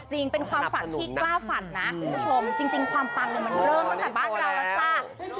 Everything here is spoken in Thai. จริงเป็นความฝันที่กล้าฝันนะคุณผู้ชมจริงความปังมันเริ่มตั้งแต่บ้านเราแล้วจ้า